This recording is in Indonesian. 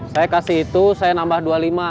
saya kasih itu saya nambah dua puluh lima